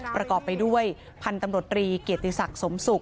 ประกอบไปด้วยพันตำรวจรีเกรียดตีสักสมสุจ